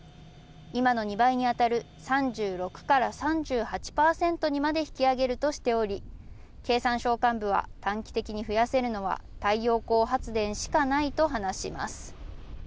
今の２倍に当たる３６％３８％にまで引き上げるとしており、経産省幹部は短期的に増やせるのは太陽光発電しかないと話します。